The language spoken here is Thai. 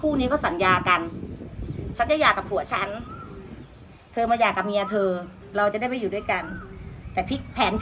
อืออือ